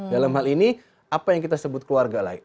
dalam hal ini apa yang kita sebut keluarga lain